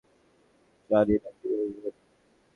জানি না, কী বলবো।